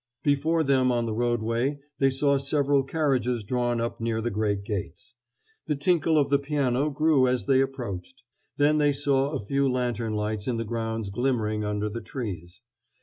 Before them on the roadway they saw several carriages drawn up near the great gates. The tinkle of the piano grew as they approached. Then they saw a few lantern lights in the grounds glimmering under the trees.